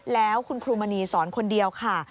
แล้วคุณครูมณีสอนคนเดียวค่ะ